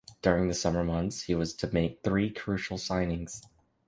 During the summer months he was to make three crucial signings.